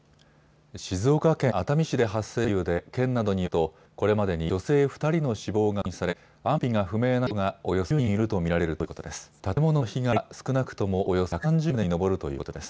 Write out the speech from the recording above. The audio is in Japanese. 静岡県熱海市で発生した土石流で県などによりますとこれまでに女性２人の死亡が確認され安否が不明な人がおよそ２０人いると見られるということです。